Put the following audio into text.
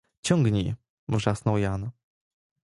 — Ciągnij! — wrzasnął Jan.